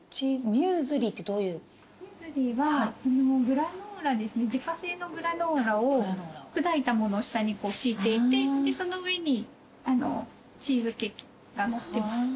ミューズリは自家製のグラノーラを砕いたものを下に敷いていてでその上にチーズケーキがのってます。